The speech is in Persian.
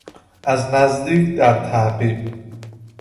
از نزدیک در تعقیب